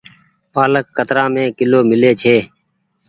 پآلڪ ڪترآ مي ڪلو ميلي ڇي۔